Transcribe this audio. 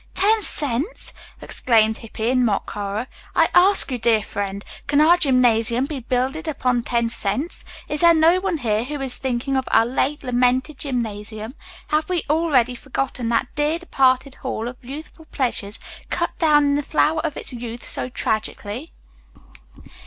"Ten cents!" exclaimed Hippy in mock horror. "I ask you, dear friend, can our gymnasium be builded upon ten cents? Is there no one here who is thinking of our late, lamented gymnasium? Have we already forgotten that dear, departed hall of youthful pleasures, cut down in the flower of its youth so tragically?"